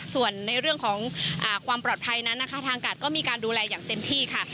ส่วนในเรื่องของความปลอดภัยนั้นนะคะทางการก็มีการดูแลอย่างเต็มที่ค่ะ